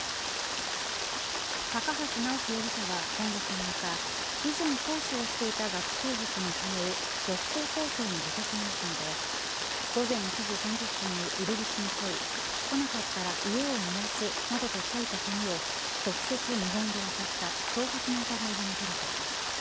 高橋直幹容疑者は今月７日以前講師をしていた学習塾に通う女子高校生の自宅マンションで午前１時３０分に入り口に来い来なかったら家を燃やすなどと書いた紙を直接無言で渡した脅迫の疑いが持たれています。